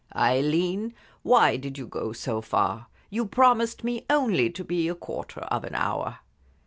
"Aileen, why did you go so far? You promised me only to be a quarter of an hour."